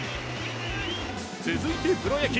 続いてプロ野球。